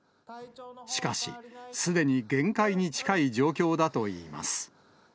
しかし、すでに限界に近い状況だといいます。